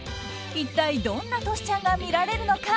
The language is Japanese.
一体どんなトシちゃんが見られるのか。